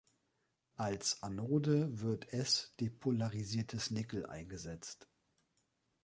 Als Anode wird S-depolarisiertes Nickel eingesetzt.